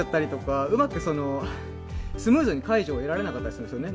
うまくスムーズに介助を得られなかったりするんですよね。